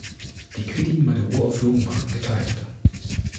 Die Kritiken bei der Uraufführung waren geteilt.